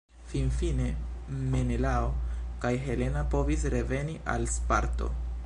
Finfine, Menelao kaj Helena povis reveni al Sparto.